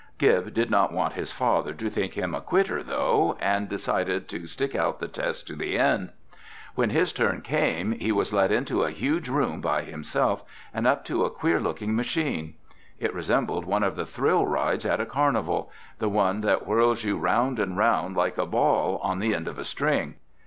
Gib did not want his father to think him a quitter, though, and decided to stick out the test to the end. When his turn came, he was led into a huge room by himself and up to a queer looking machine. It resembled one of the thrill rides at a carnival, the one that whirls you round and round like a ball on the end of a string.